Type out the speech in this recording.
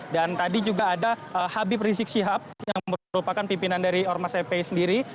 dan tadi juga ada habib rizik syihab yang merupakan pimpinan dari ormas fp sendiri